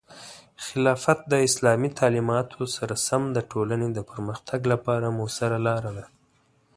خلافت د اسلامي تعلیماتو سره سم د ټولنې د پرمختګ لپاره مؤثره لاره ده.